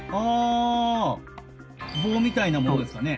棒みたいな物ですかね。